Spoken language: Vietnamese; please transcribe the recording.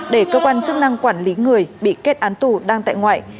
để cơ quan chức năng quản lý người bị kết án tù đang tại ngoại